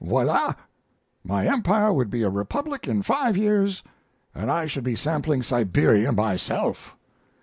'Voila'! my empire would be a republic in five years and I should be sampling Siberia myself.